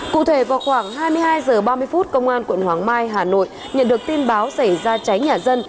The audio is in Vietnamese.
cụ thể vào khoảng hai mươi hai h ba mươi phút công an quận hoàng mai hà nội nhận được tin báo xảy ra cháy nhà dân